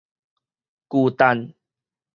巨蛋